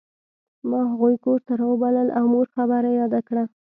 ما هغوی کور ته راوبلل او مور خبره یاده کړه